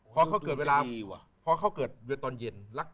พอเขาเกิดเวลาเวลาตอนเย็น